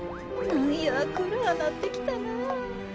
なんやくらなってきたなあ。